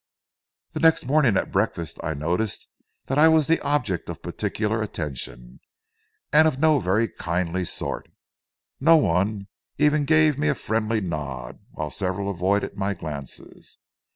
The next morning at breakfast, I noticed that I was the object of particular attention, and of no very kindly sort. No one even gave me a friendly nod, while several avoided my glances.